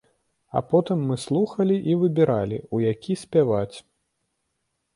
А потым мы слухалі і выбіралі, у які спяваць.